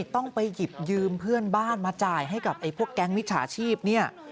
ต้องไปหยิบยืมเพื่อนบ้านมาจ่ายให้กับพวกแก๊งมิจฉาชีพเนี่ย